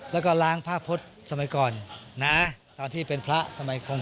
แล้วก็ล้างผ้าพจน์สมัยก่อนนะตอนที่เป็นพระสมัยก่อน